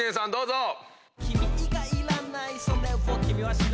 どうぞ！